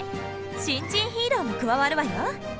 新人ヒーローも加わるわよ。